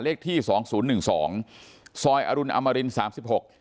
เลขที่สองศูนย์หนึ่งสองซอยอรุณอมรินสามสิบหก